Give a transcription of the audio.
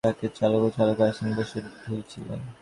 বিপরীত দিক থেকে আসা আরেক ট্রাকের চালকও চালকের আসনে বসে ঢুলছিলেন।